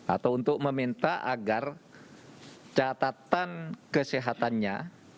atau untuk meminta agar catatan kesehatannya